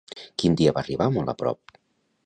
Quin dia va arribar molt a prop?